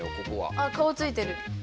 あ顔ついてる。